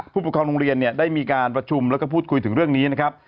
ผู้ปกครองโรงเรียนเนี่ยได้มีการประชุมแล้วก็พูดคุยถึงเรื่องนี้นะครับ